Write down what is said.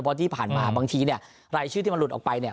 เพราะที่ผ่านมาบางทีเนี่ยรายชื่อที่มันหลุดออกไปเนี่ย